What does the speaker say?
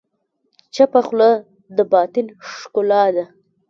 چپه خوله، د باطن ښکلا ده.